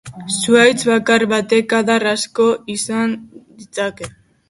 Zuhaitz bakar batek adar asko izan ditzake.